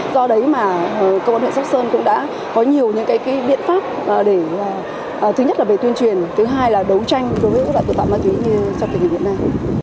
do đấy mà công an huyện sông sơn cũng đã có nhiều những cái biện pháp để thứ nhất là về tuyên truyền thứ hai là đấu tranh đối với các loại tự tạo ma túy như trong thời kỳ hiện nay